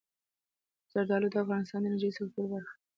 زردالو د افغانستان د انرژۍ سکتور برخه ده.